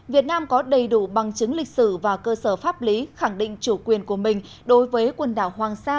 việt nam có đầy đủ bằng chứng lịch sử và cơ sở pháp lý khẳng định chủ quyền của mình đối với quần đảo hoàng sa